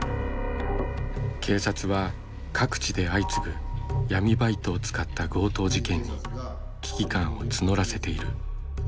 警察は各地で相次ぐ闇バイトを使った強盗事件に危機感を募らせている。